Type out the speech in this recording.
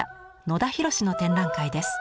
野田弘志の展覧会です。